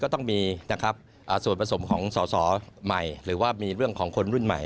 ต้องมีนะครับส่วนผสมของสอสอใหม่หรือว่ามีเรื่องของคนรุ่นใหม่